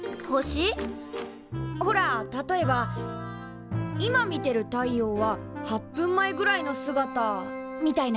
ほら例えば今見てる太陽は８分前ぐらいの姿みたいな。